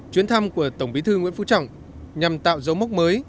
chuyến thăm của tổng bí thư nguyễn phú trọng nhằm tạo dấu mốc mới